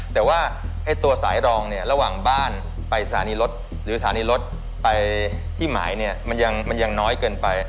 แต่ว่าสายลองและวางบ้านไปสรานิรถหรือสรานิรถไปที่หมายมันยังน้อยเกินไป